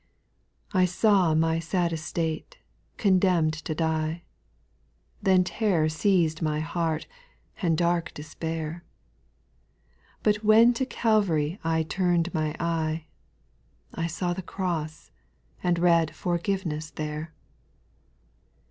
4. I saw my sad estate, conderan'd to die ; Then terror seiz'd my heart, and dark de spair ; But when to Calvary I tum'd my eye, I saw the cross, and read forgiveness there.